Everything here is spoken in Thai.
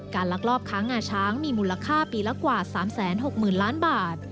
ลักลอบค้างงาช้างมีมูลค่าปีละกว่า๓๖๐๐๐ล้านบาท